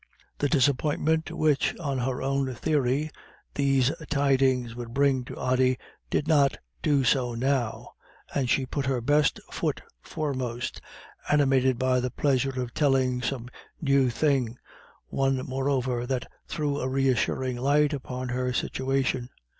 The disappointment which, on her own theory, these tidings would bring to Ody did not do so now, and she put her best foot foremost, animated by the pleasure of telling some new thing, one, moreover, that threw a reassuring light upon her situation.